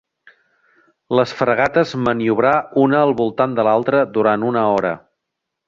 Les fragates maniobrar una al voltant de l'altra durant una hora.